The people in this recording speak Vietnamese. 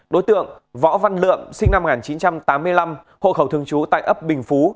đối tượng võ văn lượm sinh năm một nghìn chín trăm tám mươi năm hộ khẩu thường trú tại ấp bình phú